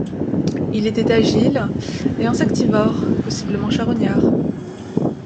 Il était agile et insectivore, possiblement charognard.